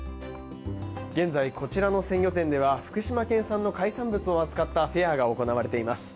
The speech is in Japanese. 現在、こちらの鮮魚店では福島県産の海産物を扱ったフェアが行われています。